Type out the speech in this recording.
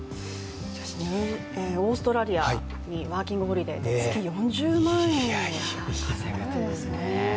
オーストラリアにワーキングホリデーで月４０万円を稼ぐというね。